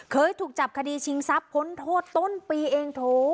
เคยถูกจับคดีชิงทรัพย์พ้นโทษต้นปีเองโถ